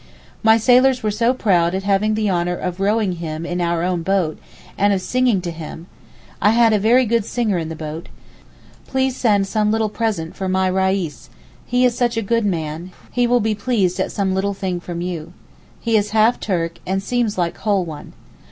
My sailors were so proud at having the honour of rowing him in our own boat, and of singing to him. I had a very good singer in the boat. Please send some little present for my Reis: he is such a good man; he will be pleased at some little thing from you. He is half Turk, and seems like whole one.